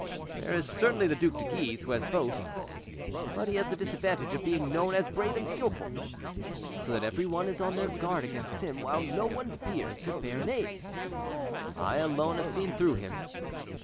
"There is certainly the Duc de Guise, who has both, but he has the disadvantage of being known as brave and skillful, so that every one is on their guard against him, while no one fears the Béarnais. I alone have seen through him.